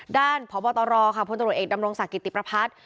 ด้านพบตรพตรเอกดำรงศาลกิจติประพัฒน์